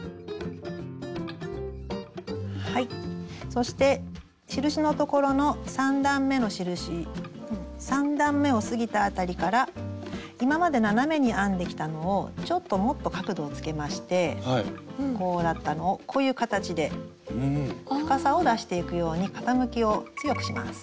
そして印のところの３段めの印３段めを過ぎたあたりから今まで斜めに編んできたのをちょっともっと角度をつけましてこうだったのをこういう形で深さを出していくように傾きを強くします。